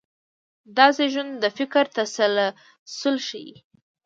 دا زېږون د فکر تسلسل ښيي.